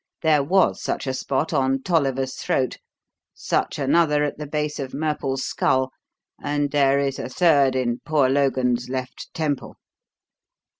There was such a spot on Tolliver's throat; such another at the base of Murple's skull, and there is a third in poor Logan's left temple.